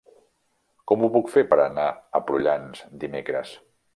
Com ho puc fer per anar a Prullans dimecres?